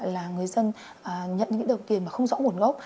là người dân nhận những đồng tiền mà không rõ nguồn gốc